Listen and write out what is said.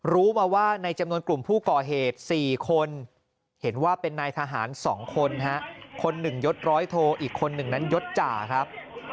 รู้มาว่าในจำนวนกลุ่มผู้ก่อเหตุ๔คนเห็นว่าเป็นนายทหาร๒คนคนหนึ่งยศร้อยโทอีกคนหนึ่งนั้นยศจ่าครับ